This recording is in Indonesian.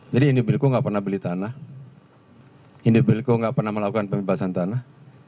jadi indobilco enggak pernah beli tanah indobilco enggak pernah melakukan pembebasan tanah